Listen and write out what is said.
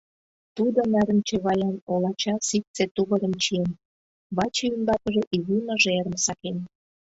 Тудо нарынче ваян олача ситце тувырым чиен, ваче ӱмбакыже изи мыжерым сакен;